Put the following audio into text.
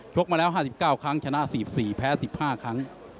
กมาแล้ว๕๙ครั้งชนะ๔๔แพ้๑๕ครั้ง